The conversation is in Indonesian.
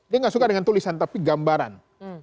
dia gak suka dengan tulisan tapi gambaran